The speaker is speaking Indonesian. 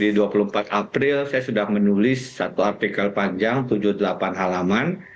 di dua puluh empat april saya sudah menulis satu artikel panjang tujuh delapan halaman